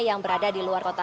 yang berada di luar kota